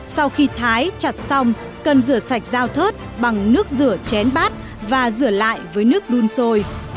sau khi thái chặt xong cần rửa sạch dao thớt bằng nước rửa chén bát và rửa lại với nước đun sôi